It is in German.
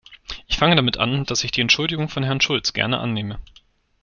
Ich fange damit an, dass ich die Entschuldigung von Herrn Schulz gern annehme.